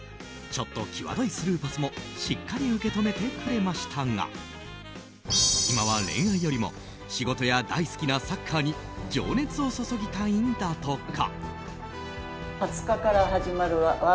ちょっときわどいスルーパスもしっかり受け止めてくれましたが今は恋愛よりも仕事や、大好きなサッカーに情熱を注ぎたいんだとか。